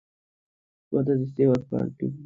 কথা দিচ্ছি এবার প্যান্টি পরতে ভুলব না।